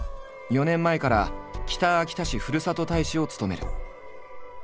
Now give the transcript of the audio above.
４年前から北秋田市ふるさと大使を務める。